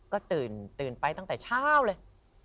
ก็ตื่นไปตั้งแต่เช้าเลย